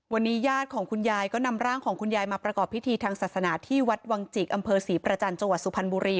วันนี้ญาติของคุณยายก็นำร่างของคุณยายมาประกอบพิธีทางศาสนาที่วัดวังจิกอำเภอศรีประจันทร์จังหวัดสุพรรณบุรี